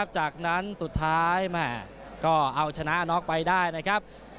จากนั้นสุดท้ายแม่ก็เอาชนะน็อกไปได้นะครับ